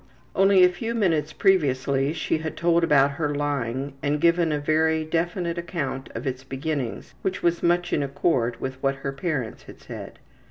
Only a few minutes previously she had told about her lying and given a very definite account of its beginnings which was much in accord with what her parents had said.